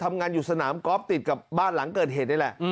ทำงานอยู่สนามกอล์ฟติดกับบ้านหลังเกิดเหตุนี่แหละ